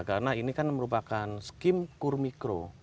karena ini kan merupakan skim kur mikro